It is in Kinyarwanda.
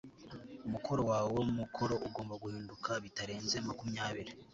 umukoro wawe wo mukoro ugomba guhinduka bitarenze makumya biri